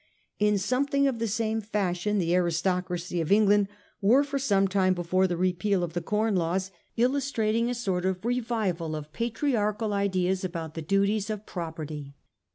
In something of the same fashion the aristocracy of England were for some time before the repeal of the Com Laws illustrating a sort of revival of patriarchal ideas about the duties of pro perty.